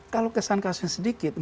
kalau kesan kasusnya sedikit